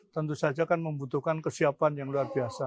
tentu saja kan membutuhkan kesiapan yang luar biasa